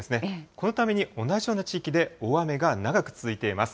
このために同じような地域で大雨が長く続いています。